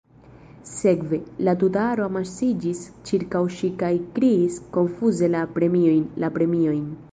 Sekve, la tuta aro amasiĝis ĉirkaŭ ŝi kaj kriis konfuze La premiojn, la premiojn.